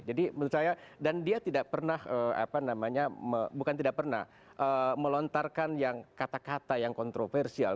jadi menurut saya dan dia tidak pernah apa namanya bukan tidak pernah melontarkan yang kata kata yang kontroversial